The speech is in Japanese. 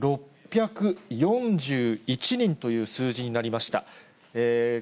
６４１人という数字になりました。